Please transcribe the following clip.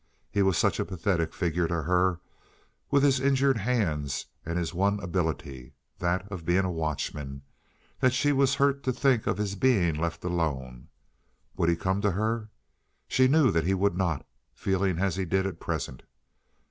He was such a pathetic figure to her, with his injured hands and his one ability—that of being a watchman—that she was hurt to think of his being left alone. Would he come to her? She knew that he would not—feeling as he did at present.